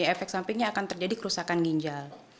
efek sampingnya akan terjadi kerusakan ginjal